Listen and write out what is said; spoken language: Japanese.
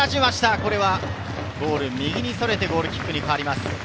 これは右にそれて、ゴールキックに変わります。